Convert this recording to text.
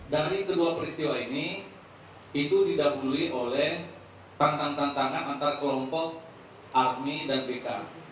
dari kedua peristiwa ini itu didapuri oleh tantang tantang antara kelompok armi dan bk